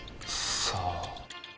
さあ？